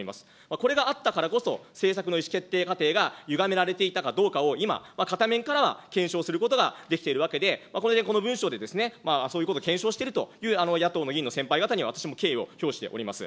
これがあったからこそ、政策の意思決定過程がゆがめられていたかどうかを今、片面からは検証することができているわけで、ここでこの文書でそういうことを検証しているという野党の議員の先輩方には、私も敬意を表しております。